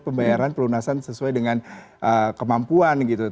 pembayaran pelunasan sesuai dengan kemampuan gitu